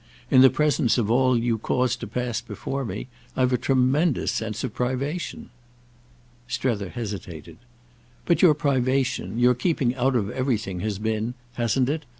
In the presence of all you cause to pass before me I've a tremendous sense of privation." Strether hesitated. "But your privation, your keeping out of everything, has been—hasn't it?